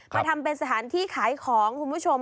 มาทำเป็นสถานที่ขายของคุณผู้ชม